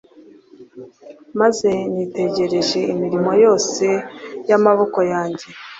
maze nitegereje imirimo yose y’amaboko yanjye